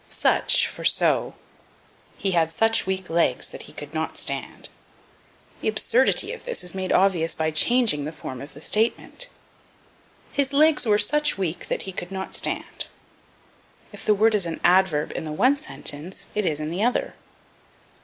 Such for So. "He had such weak legs that he could not stand." The absurdity of this is made obvious by changing the form of the statement: "His legs were such weak that he could not stand." If the word is an adverb in the one sentence it is in the other.